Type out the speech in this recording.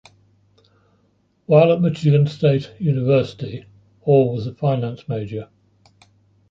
While at Michigan State University Hall was a finance major.